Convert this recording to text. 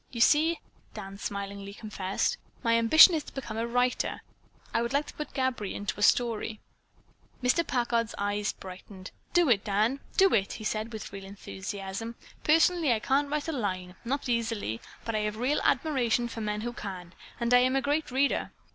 You see," Dan smilingly confessed, "my ambition is to become a writer. I would like to put 'Gabby' into a story." Mr. Packard's eyes brightened. "Do it, Dan! Do it!" he said with real enthusiasm. "Personally I can't write a line, not easily, but I have real admiration for men who can, and I am a great reader.